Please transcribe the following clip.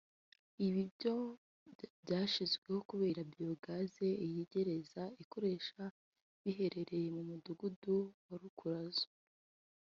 Ibi byobo byashyizweho kubera bio gaz iyi gereza ikoresha biherereye mu umudugudu wa Rukurazo